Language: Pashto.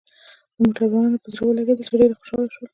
د موټروانانو په زړه ولګېدل، چې ډېر خوشاله شول.